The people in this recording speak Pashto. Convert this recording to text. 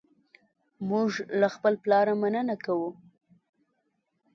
موږ له خپل پلار مننه کوو.